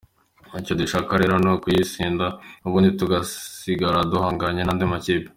Icyo dushaka rero ni ukuyitsinda, ubundi tugasigara duhanganye n’andi makipe.